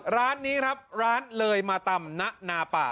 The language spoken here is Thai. ร้านนี้ครับร้านเลยมาตำณาป่า